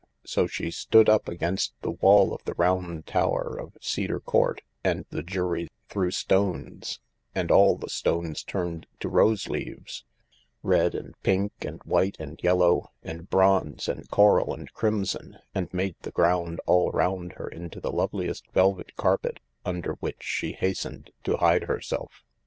So she stood up against the wall of the round tower of Cedar Court and the jury threw stones, and all the stones turned to rose leaves — red and pink and white and yellow and bronze and coral and crimson ^and made the ground all round her into the loveliest velvet carpet under which she hastened to hide herself.